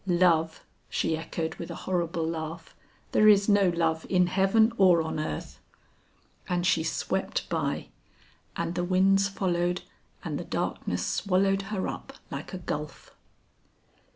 "Love!" she echoed with a horrible laugh; "there is no love in heaven or on earth!" And she swept by, and the winds followed and the darkness swallowed her up like a gulf.